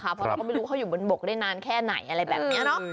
เพราะเราก็ไม่รู้เขาอยู่บนบกได้นานแค่ไหนอะไรแบบนี้เนอะ